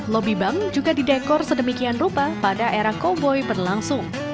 lobby bank juga didekor sedemikian rupa pada era koboi berlangsung